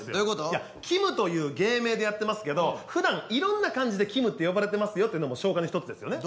いやきむという芸名でやってますけどふだんいろんな感じできむって呼ばれてますよってのも紹介の一つですよね。